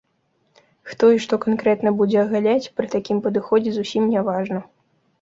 Хто і што канкрэтна будзе агаляць, пры такім падыходзе зусім не важна.